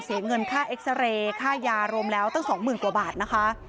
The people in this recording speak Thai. เสียเงินค่าเอ็กซาเรย์ค่ายารวมแล้วตั้งสองหมื่นกว่าบาทนะคะ